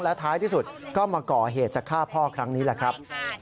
ท้ายที่สุดก็มาก่อเหตุจะฆ่าพ่อครั้งนี้แหละครับ